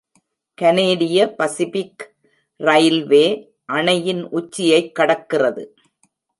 கனேடிய Pacific railway அணையின் உச்சியைக் கடக்கிறது.